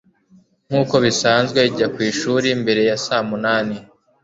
Nkuko bisanzwe, njya ku ishuri mbere ya saa munani.